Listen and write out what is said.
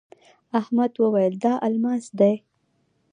احمد وويل: دا الماس دی.